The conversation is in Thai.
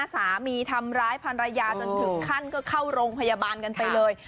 สามีทำร้ายภรรยาจนถึงขั้นก็เข้าโรงพยาบาลกันไปเลย